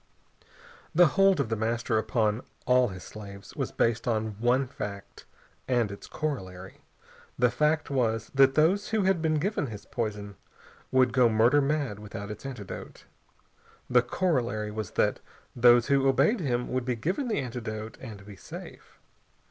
The hold of The Master upon all his slaves was based on one fact and its corollary. The fact was, that those who had been given his poison would go murder mad without its antidote. The corollary was that those who obeyed him would be given that antidote and be safe.